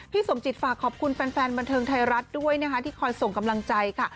สมจิตฝากขอบคุณแฟนบันเทิงไทยรัฐด้วยนะคะที่คอยส่งกำลังใจค่ะ